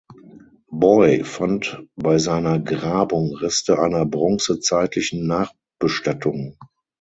Boye fand bei seiner Grabung Reste einer bronzezeitlichen Nachbestattung.